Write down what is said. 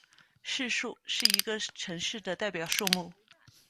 市树是一个城市的代表树木。